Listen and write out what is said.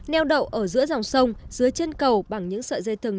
neo đậu ở giữa dòng sông dưới chân cầu bằng những sợi dây thừng